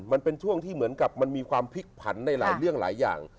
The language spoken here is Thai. มันเป็นช่วงที่เหมือนกับมันมีความพิกผันในหลายอย่าง